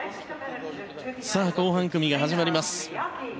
後半組が始まります。